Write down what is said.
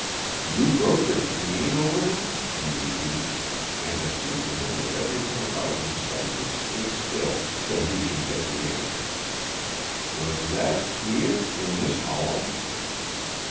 "You broke your cane over him?" he repeated, and it seemed to him that everything about him suddenly stood still till he should get the answer. "Was that here, in this hollow?"